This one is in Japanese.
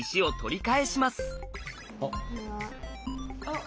あっ。